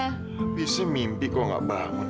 habisnya mimpi kok gak bangun